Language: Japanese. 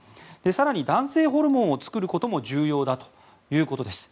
更に男性ホルモンを作ることも重要だということです。